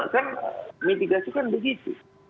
kan mitigasi kan begitu